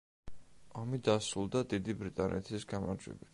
ომი დასრულდა დიდი ბრიტანეთის გამარჯვებით.